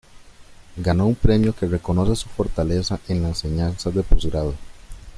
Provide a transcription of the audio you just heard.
Ganó un premio que reconoce su fortaleza en la enseñanza de postgrado.